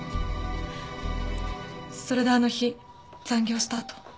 それであの日残業したあと。